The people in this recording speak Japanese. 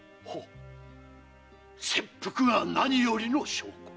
切腹が何よりの証拠。